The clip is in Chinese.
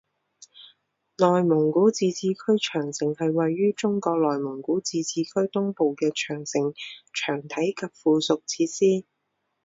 内蒙古自治区长城是位于中国内蒙古自治区东部的长城墙体及附属设施。